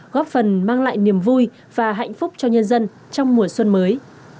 góp phần mang lại niềm vui và hạnh phúc cho nhân dân trong mùa xuân mới